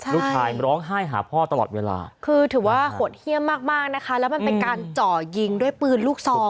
ร้องไห้หาพ่อตลอดเวลาคือถือว่าโหดเยี่ยมมากมากนะคะแล้วมันเป็นการเจาะยิงด้วยปืนลูกซอง